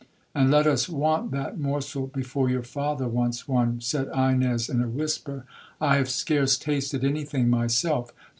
'—'And let us want that morsel, before your father wants one!' said Ines in a whisper—'I have scarce tasted any thing myself.'